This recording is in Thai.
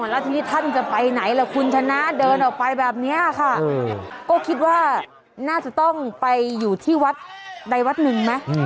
แล้วทีนี้ท่านจะไปไหนล่ะคุณชนะเดินออกไปแบบนี้ค่ะก็คิดว่าน่าจะต้องไปอยู่ที่วัดใดวัดหนึ่งไหม